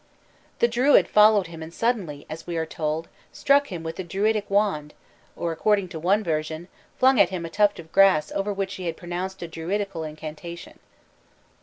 "The Druid followed him and suddenly, as we are told, struck him with a druidic wand, or according to one version, flung at him a tuft of grass over which he had pronounced a druidical incantation."